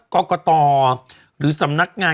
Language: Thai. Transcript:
กรกตหรือสำนักงาน